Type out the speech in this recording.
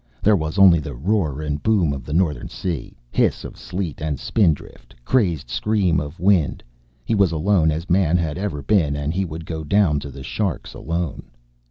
There was only the roar and boom of the northern sea, hiss of sleet and spindrift, crazed scream of wind, he was alone as man had ever been and he would go down to the sharks alone.